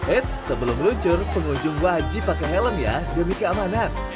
eits sebelum lucu pengunjung wajib pakai helm ya demi keamanan